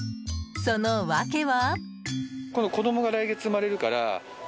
その訳は。